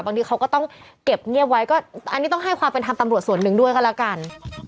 บางทีเขาก็ต้องเก็บเงียบไว้ก็อันนี้ต้องให้ความเป็นธรรมตำรวจส่วนหนึ่งด้วยก็แล้วกัน